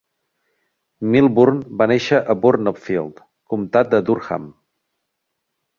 Milburn va néixer a Burnopfield, Comtat de Durham.